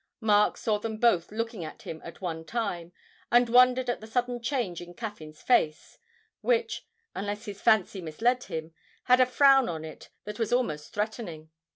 Mark saw them both looking at him at one time, and wondered at the sudden change in Caffyn's face, which (unless his fancy misled him) had a frown on it that was almost threatening.